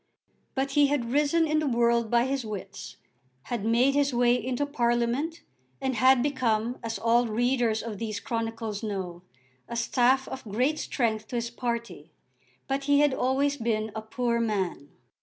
But he had risen in the world by his wits, had made his way into Parliament, and had become, as all readers of these chronicles know, a staff of great strength to his party. But he had always been a poor man.